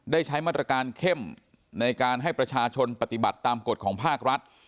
ได้ใช้มาตรการเข้มในการให้ประชาชนปฏิบัติตามกฎของภาครัฐ